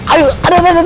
aduh aduh aduh aduh